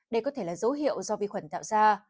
đây có thể là dấu hiệu do vi khuẩn tạo ra